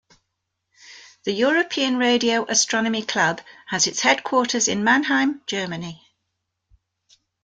The European Radio Astronomy Club has its headquarters in Mannheim, Germany.